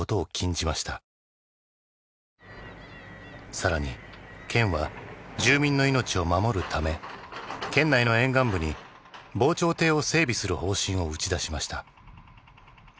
さらに県は住民の命を守るため県内の沿岸部に防潮堤を整備する方針を打ち出しました。